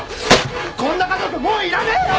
こんな家族もういらねえよ！